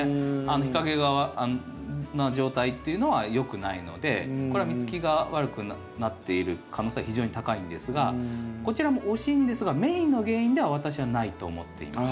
日陰の状態っていうのはよくないのでこれは実つきが悪くなっている可能性は非常に高いんですがこちらも惜しいんですがメインの原因では私はないと思っています。